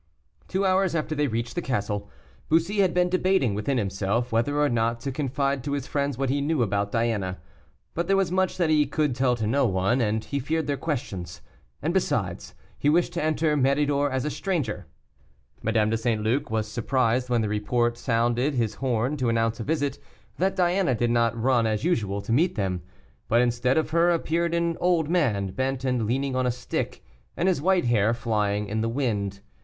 Two hours after they reached the castle. Bussy had been debating within himself whether or not to confide to his friends what he knew about Diana. But there was much that he could tell to no one, and he feared their questions, and besides, he wished to enter Méridor as a stranger. Madame de St. Luc was surprised, when the report sounded his horn to announce a visit, that Diana did not run as usual to meet them, but instead of her appeared an old man, bent and leaning on a stick, and his white hair flying in the wind.